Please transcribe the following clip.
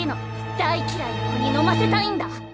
大きらいな子に飲ませたいんだ。